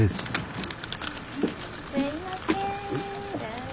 すいません。